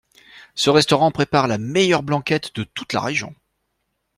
Ce restaurant prépare la meilleure blanquette de toute la région.